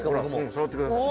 触ってください。